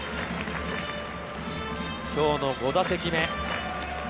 今日の５打席目。